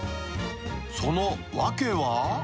その訳は。